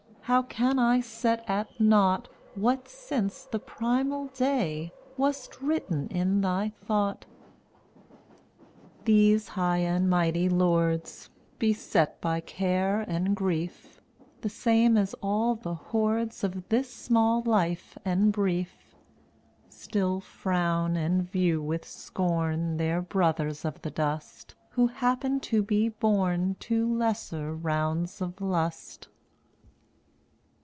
How can I set at nought What since the primal day Wast written in thy thought? 1238 These high and mighty lords, Beset by care and grief, The same as all the hordes Of this small life and brief, Still frown and view with scorn Their brothers of the dust Who happen to be born To lesser rounds of lust.